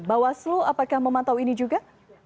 bawaslu apakah memantau ini juga